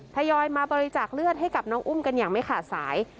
ทยอยมาบริจาคเลือดให้กับน้องอุ้มกันอย่างไม่ขาดสาย